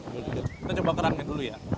kita coba kerangin dulu ya